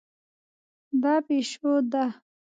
دا پیشو ده